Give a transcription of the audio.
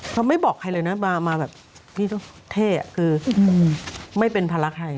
เขาไม่บอกใครเลยนะมาแบบเท่อ่ะคือไม่เป็นภาระใคร